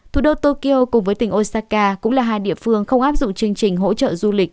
thủ đô tokyo cùng với tỉnh osaka cũng là hai địa phương không áp dụng chương trình hỗ trợ du lịch